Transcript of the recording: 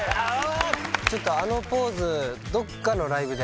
ちょっとあのポーズ。